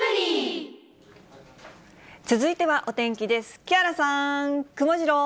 続いてはお天気です。